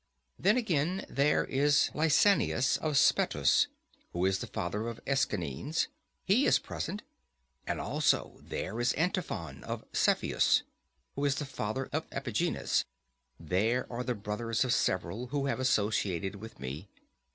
Then again there is Lysanias of Sphettus, who is the father of Aeschines—he is present; and also there is Antiphon of Cephisus, who is the father of Epigenes; and there are the brothers of several who have associated with me.